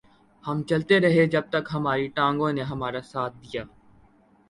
ہم چلتے رہے جب تک ہماری ٹانگوں نے ہمارا ساتھ دیا